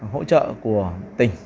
hỗ trợ của tỉnh